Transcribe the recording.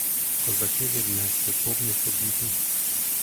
Козаки віднесли повну побіду.